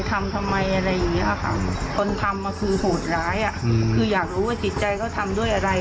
ทำทำไมอะไรอย่างเงี้ยค่ะคนทำอ่ะคือโหดร้ายอ่ะคืออยากรู้ว่าจิตใจเขาทำด้วยอะไร